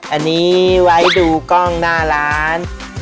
อันนี้ไว้ดูกล้องหน้าร้าน